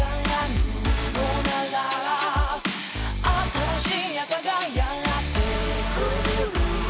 「新しい朝がやってくる」